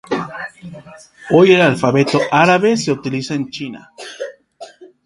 Hoy el alfabeto árabe se utiliza en China.